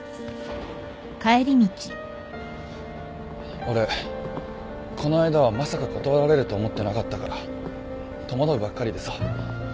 俺この間はまさか断られると思ってなかったから戸惑うばっかりでさ。